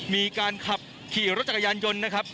มีการขับขี่รถจักรยานยนต์นะครับ